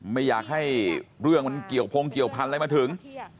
ไม่อยากให้เรื่องมันเกี่ยวพงเกี่ยวพันธุ์อะไรมาถึง